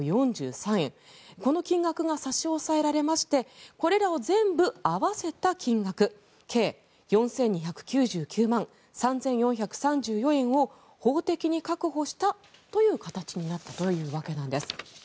この金額が差し押さえられましてこれらを全部合わせた金額計４２９９万３４３４円を法的に確保したという形になったというわけです。